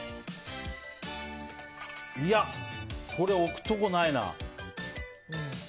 いや、これ置くとこないな。